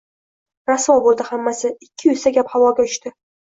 rasvo bo'ldi hammasi, ikki yuzta gap havoga uchdi.